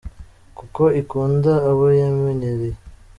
Kuko ikunda abo yamenyereye: